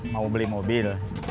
mau beli mobil